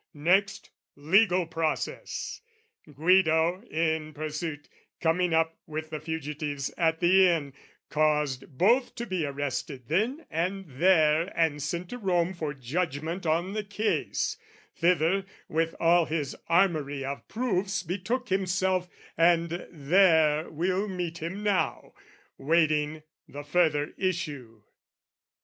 Next legal process! Guido, in pursuit, Coming up with the fugitives at the inn, Caused both to be arrested then and there And sent to Rome for judgment on the case Thither, with all his armoury of proofs Betook himself, and there we'll meet him now, Waiting the further issue.